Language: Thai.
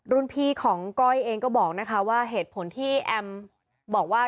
พี่ของก้อยเองก็บอกนะคะว่าเหตุผลที่แอมบอกว่า